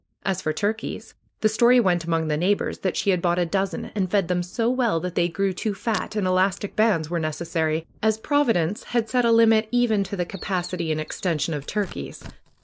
As for turkeys, the story went among the neighbors that she had bought a dozen and fed them so well that they grew too fat, and elastic bands were necessary, as Providence had set a limit even to the capacity and extension of turkeys.